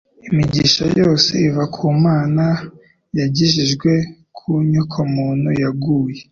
imigisha yose iva ku Mana yagejejwe ku nyokomuntu yaguye